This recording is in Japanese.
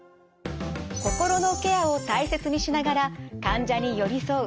心のケアを大切にしながら患者に寄り添う